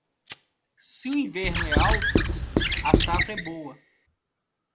Se o inverno é alto, a safra é boa.